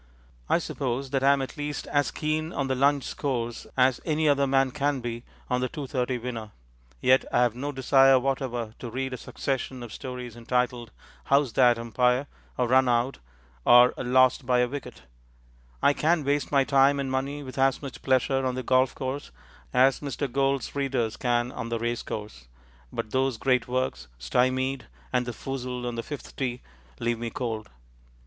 I suppose that I am at least as keen on the Lunch Scores as any other man can be on the Two thirty Winner; yet I have no desire whatever to read a succession of stories entitled How's That, Umpire? or Run Out, or Lost by a Wicket. I can waste my time and money with as much pleasure on the golf course as Mr. Gould's readers can on the race course, but those great works, Stymied and The Foozle on the Fifth Tee, leave me cold.